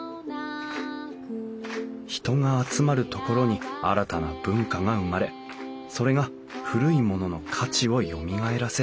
人が集まる所に新たな文化が生まれそれが古いものの価値をよみがえらせる。